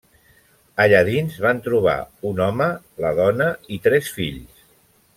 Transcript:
Allà dins van trobar un home, la dona i tres fills.